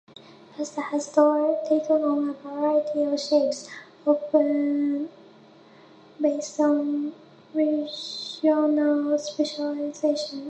Pasta has taken on a variety of shapes, often based on regional specializations.